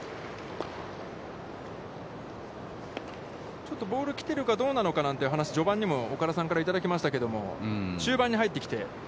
ちょっとボールが来ているかどうかなのかというお話を、岡田さんからもいただきましたけど、中盤に入ってきて。